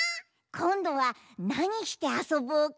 こんどはなにしてあそぼうか？